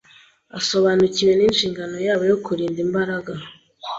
abasobanukiwe n’inshingano yabo yo kurinda imbaraga